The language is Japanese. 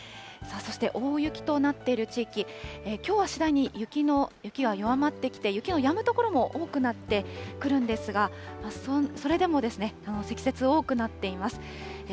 そして大雪となっている地域、きょうは次第に雪は弱まってきて、雪のやむ所も多くなってくるんですが、それでも積雪多くなっています。